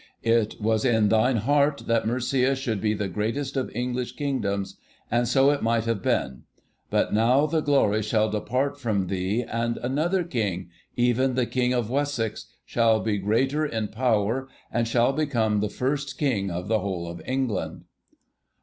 It was in thine heart that Mercia should be the greatest of English Kingdoms, and so it might have been. But now the glory shall depart from thee, and another King, even the King of Wessex, shall be greater in power and shall become the first King of the whole of England.